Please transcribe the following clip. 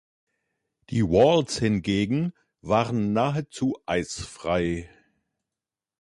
Die Wolds hingegen waren nahezu eisfrei.